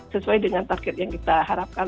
sesuai dengan target yang kita harapkan